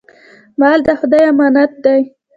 مال د خدای امانت دی.